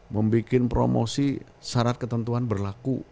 membuat promosi syarat ketentuan berlaku